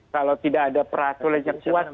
kalau tidak ada peraturan yang kuat